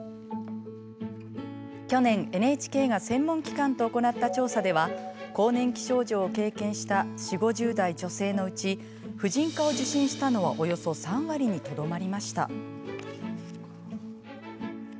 去年、ＮＨＫが専門機関と行った調査では更年期症状を経験した４０、５０代女性のうち婦人科を受診したのはおよそ３割にとどまりました。